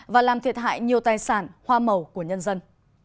và làm thiệt hại nhiều tài sản hoa màu của nhân dân